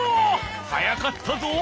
速かったぞ！